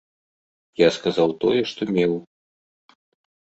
Я сказаў тое, што меў.